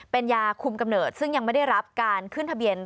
เป็นยาคุมกำเนิดซึ่งยังไม่ได้รับการขึ้นทะเบียน